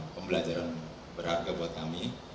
pembelajaran berharga buat kami